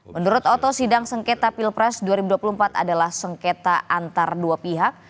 menurut oto sidang sengketa pilpres dua ribu dua puluh empat adalah sengketa antar dua pihak